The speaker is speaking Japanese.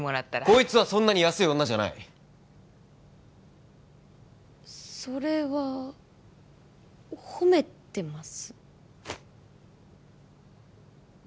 こいつはそんなに安い女じゃないそれは褒めてます？